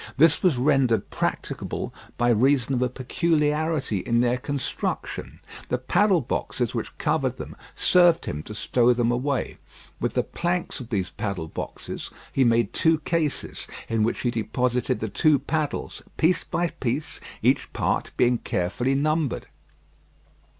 This was rendered practicable by reason of a peculiarity in their construction. The paddle boxes which covered them served him to stow them away. With the planks of these paddle boxes, he made two cases in which he deposited the two paddles, piece by piece, each part being carefully numbered.